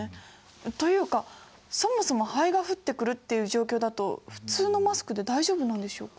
というかそもそも灰が降ってくるっていう状況だと普通のマスクで大丈夫なんでしょうか？